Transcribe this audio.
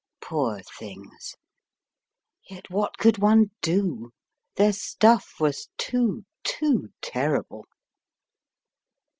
Poor things ! Yet what could one do ? Their stuff was too too terrible.